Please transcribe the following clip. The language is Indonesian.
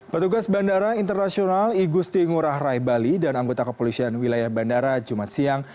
petugas bandara internasional igusti ngurah rai bali dan anggota kepolisian wilayah bandara jumat siang